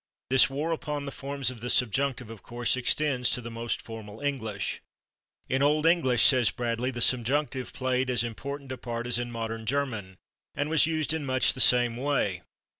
This war upon the forms of the subjunctive, of course, extends to the most formal English. "In Old English," says Bradley, "the subjunctive played as important a part as in modern German, and was used in much the same way.